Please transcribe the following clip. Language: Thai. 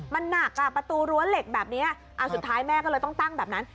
มันหนักอ่ะประตูรั้วเหล็กแบบนี้สุดท้ายแม่ก็เลยต้องตั้งแบบนั้น